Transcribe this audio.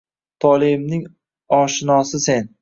Toleimning oshinosi sen